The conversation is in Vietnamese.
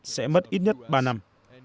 sẽ mất ít nhất ba năm